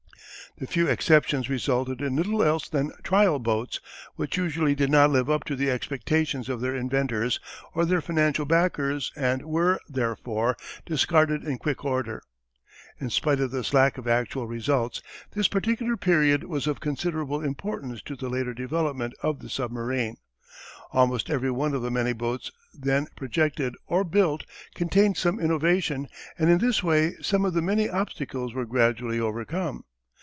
The few exceptions resulted in little else than trial boats which usually did not live up to the expectations of their inventors or their financial backers and were, therefore, discarded in quick order. In spite of this lack of actual results this particular period was of considerable importance to the later development of the submarine. Almost every one of the many boats then projected or built contained some innovation and in this way some of the many obstacles were gradually overcome.